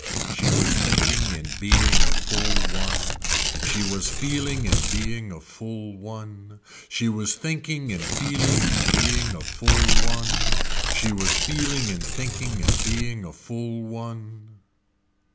She was thinking in being a full one. She was feeling in being a full one. She was thinking in feeling in being a full one. She was feeling in thinking in being a full one.